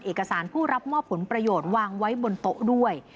เอกสารผู้รับมอบผลประโยชน์วางไว้บนโต๊ะด้วย